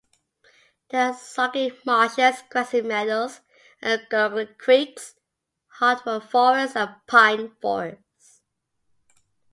There are soggy marshes, grassy meadows, gurgling creeks, hardwood forests and pine forests.